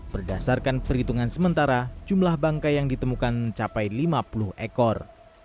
berdasarkan perhitungan sementara jumlah bangkai yang ditemukan mencapai lima puluh ekor